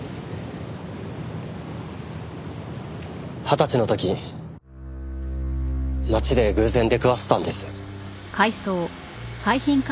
二十歳の時街で偶然出くわしたんです。